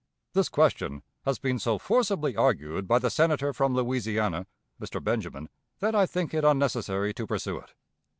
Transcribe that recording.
This question has been so forcibly argued by the Senator from Louisiana [Mr. Benjamin] that I think it unnecessary to pursue it.